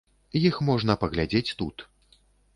Іх можна паглядзець тут.